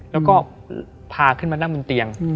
แล้วก็พาขึ้นมานั่งบนเตียง